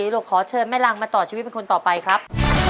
ลูกขอเชิญแม่รังมาต่อชีวิตเป็นคนต่อไปครับ